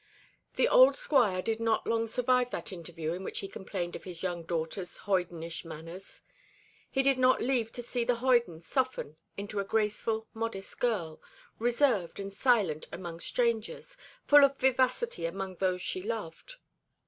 The old Squire did not long survive that interview in which he complained of his young daughter's hoydenish manners. He did not live to see the hoyden soften into a graceful, modest girl, reserved and silent among strangers, full of vivacity among those she loved.